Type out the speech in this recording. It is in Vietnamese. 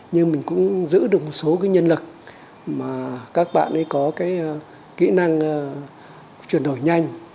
nhưng mình cũng giữ được một số nhân lực mà các bạn ấy có kỹ năng chuyển đổi nhanh